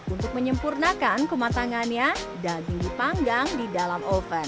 untuk menyempurnakan kematangannya daging dipanggang di dalam oven